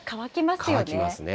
乾きますね。